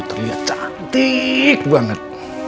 terlihat cantik banget